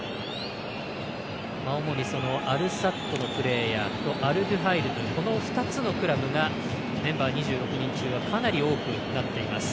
主にアルサッドのプレーヤーなど２つのクラブでメンバー２６人中かなり多くなっています。